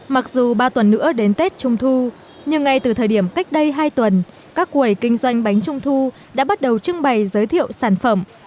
mặc dù ba tuần nữa đến tết trung thu nhưng ngay từ thời điểm cách đây hai tuần các quầy kinh doanh bánh trung thu đã bắt đầu trưng bày giới thiệu sản phẩm